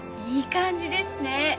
いい感じですね。